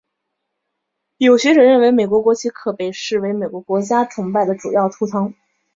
有学者认为美国国旗可被视为美国国家崇拜的主要图腾。